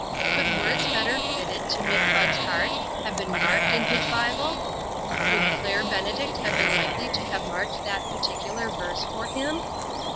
Could words better fitted to meet Bud's heart have been marked in his Bible ? Would Claire Benedict have been likely to have marked that particular verse for him?